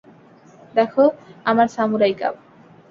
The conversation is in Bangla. দেখো আমার সামুরাই কাপ!